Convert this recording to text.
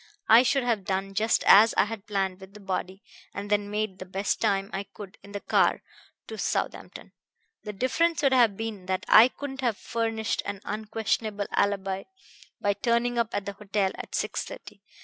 I should have done just as I had planned with the body, and then made the best time I could in the car to Southampton. The difference would have been that I couldn't have furnished an unquestionable alibi by turning up at the hotel at six thirty.